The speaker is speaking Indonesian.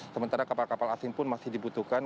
sementara kapal kapal asing pun masih dibutuhkan